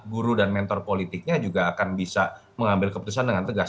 guru dan mentor politiknya juga akan bisa mengambil keputusan dengan tegas